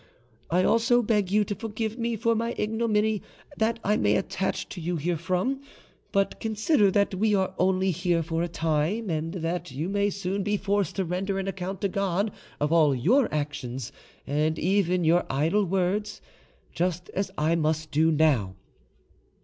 I also beg you to forgive me for any ignominy that may attach to you herefrom; but consider that we are only here for a time, and that you may soon be forced to render an account to God of all your actions, and even your idle words, just as I must do now.